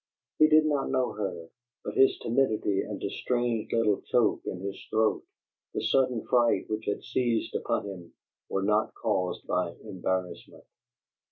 He did not know her; but his timidity and a strange little choke in his throat, the sudden fright which had seized upon him, were not caused by embarrassment.